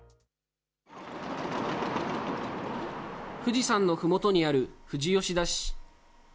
富士山のふもとにある富士吉田市。